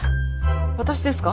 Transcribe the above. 私ですか？